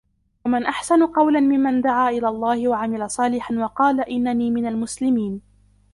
ومن أحسن قولا ممن دعا إلى الله وعمل صالحا وقال إنني من المسلمين